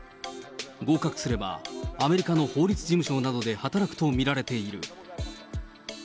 合格すれば、アメリカの法律事務所などで働くと見られている。